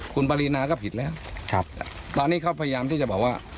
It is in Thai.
คุณปรินาก็ผิดแล้วตอนนี้เขาพยายามที่จะบอกว่า